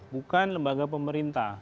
bukan lembaga pemerintah